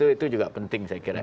itu juga penting saya kira